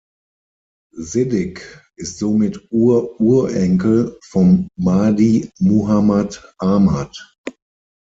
Siddig ist somit Ur-Urenkel vom "Mahdi" Muhammad Ahmad.